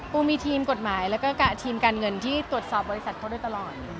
มีทีมกฎหมายแล้วก็ทีมการเงินที่ตรวจสอบบริษัทเขาโดยตลอด